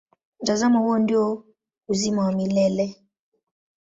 Mtazamo huo ndio uzima wa milele.